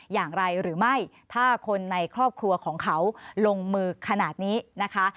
หรือไม่ถ้าคนในครอบครัวของเขาลงมือขนาดนี้นะคะ